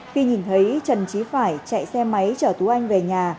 khi nhìn thấy trần trí phải chạy xe máy chở tú anh về nhà